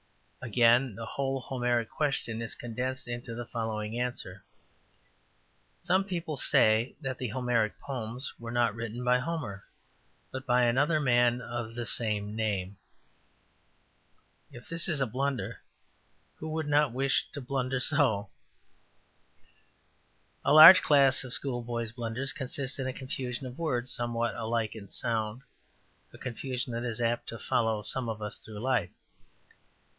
Again, the whole Homeric question is condensed into the following answer: ``Some people say that the Homeric poems were not written by Homer, but by another man of the same name.'' If this is a blunder, who would not wish to blunder so? A large class of schoolboys' blunders consist in a confusion of words somewhat alike in sound, a confusion that is apt to follow some of us through life.